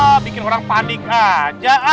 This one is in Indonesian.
wah bikin orang panik aja